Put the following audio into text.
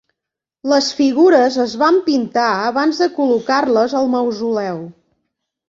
Les figures es van pintar abans de col·locar-les al mausoleu.